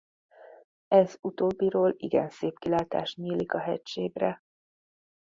Ez utóbbiról igen szép kilátás nyílik a hegységre.